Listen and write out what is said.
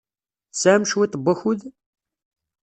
Tesɛam cwiṭ n wakud?